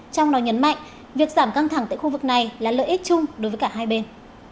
trong đó nhấn mạnh việc giảm căng thẳng tại khu vực này là lợi ích chung đối với cả hai bên